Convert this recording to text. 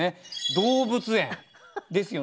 「動物園」ですよね。